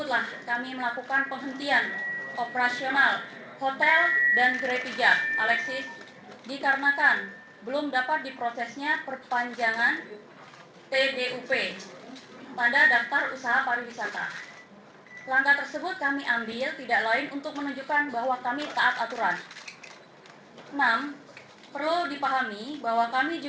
tapi begini kalau memang ternyata terbukti hotel kita ini secara legal itu dijalankan sesuai dengan prosedur dan peraturan yang berlaku